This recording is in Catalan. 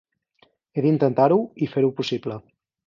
He d'intentar-ho i fer-ho possible.